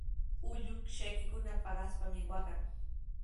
Chullukshaykunaqa paqaspami waqan.